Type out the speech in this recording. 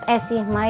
eh sih mai